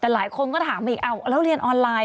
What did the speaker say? แต่หลายคนก็ถามอีกแล้วเรียนออนไลน์